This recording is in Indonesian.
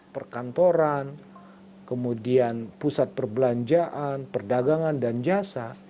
perkantoran kemudian pusat perbelanjaan perdagangan dan jasa